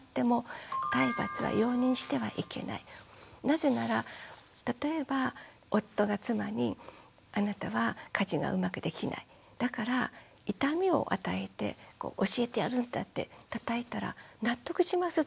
なぜなら例えば夫が妻に「あなたは家事がうまくできないだから痛みを与えて教えてやるんだ」ってたたいたら納得します？